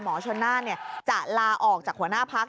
หมอชนะเนี่ยจะลาออกจากหัวหน้าพัก